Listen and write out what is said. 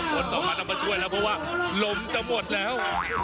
คนต่อมาต้องมาช่วยแล้วเพราะว่าลมจะหมดแล้ว